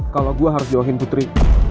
kalau gue harus jawabin putri